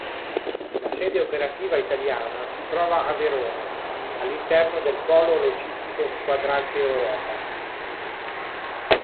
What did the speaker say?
La sede operativa italiana si trova a Verona, all'interno del polo logistico Quadrante Europa.